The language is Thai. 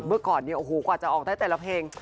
เมื่อก่อนกว่าจะออกได้แต่ละเพลง